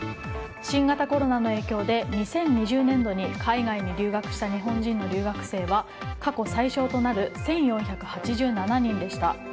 新型コロナの影響で２０２０年度に海外に留学した日本人の留学生は過去最少となる１４８７人でした。